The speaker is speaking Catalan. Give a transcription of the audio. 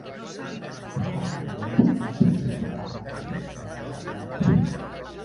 Hartman i Lunden van dirigir el programa amb èxit durant uns quants anys.